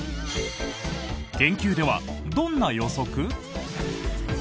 研究ではどんな予測？